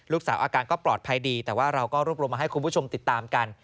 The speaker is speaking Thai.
อาการก็ปลอดภัยดีแต่ว่าเราก็รวบรวมมาให้คุณผู้ชมติดตามกัน